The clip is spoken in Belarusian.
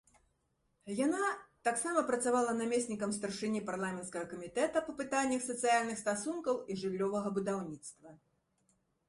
Яна таксама працавала намеснікам старшыні парламенцкага камітэта па пытаннях сацыяльных стасункаў і жыллёвага будаўніцтва.